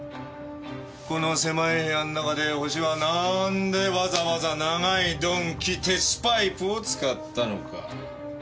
この狭い部屋の中でホシはなんでわざわざ長い鈍器鉄パイプを使ったのか？